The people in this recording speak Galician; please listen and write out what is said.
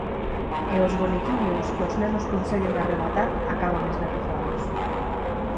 E os bonequiños que os nenos conseguen arrebatar, acaban esnaquizados.